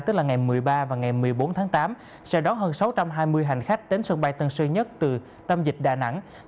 tức là ngày một mươi ba và ngày một mươi bốn tháng tám sẽ đón hơn sáu trăm hai mươi hành khách đến sân bay tân sơn nhất từ tâm dịch đà nẵng